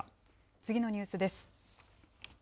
次のニュースです。